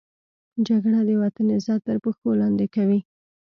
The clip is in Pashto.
جګړه د وطن عزت تر پښو لاندې کوي